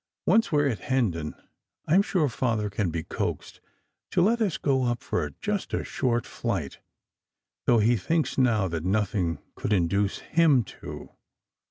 "Once we re at Hendon, I m sure Father can be coaxed to let us go up for just a short flight, though he thinks now that nothing could induce him to.